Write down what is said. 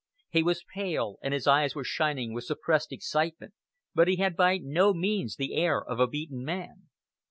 He was pale, and his eyes were shining with suppressed excitement, but he had by no means the air of a beaten man.